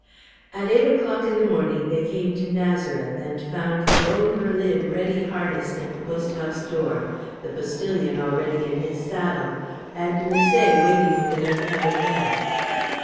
At eight o'clock in the morning they came to Nazareth, and found their own berlin ready harnessed at the post house door, the postillion already in his saddle, and Misset waiting with an uncovered head.